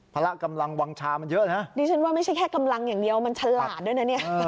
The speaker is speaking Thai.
พระกำลังวางชามันเยอะนะดิฉันว่าไม่ใช่แค่กำลังอย่างเดียวมันฉลาดด้วยนะเนี่ย